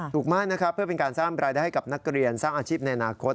ถูกมากนะครับเพื่อเป็นการสร้างรายได้ให้กับนักเรียนสร้างอาชีพในอนาคต